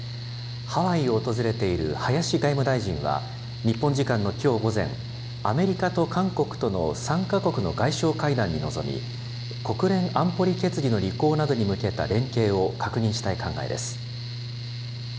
ハワイを訪れている林外務大臣は、日本時間のきょう午前、アメリカと韓国との３か国の外相会談に臨み、国連安保理決議の履行などに向けた連携を確認したい考えです。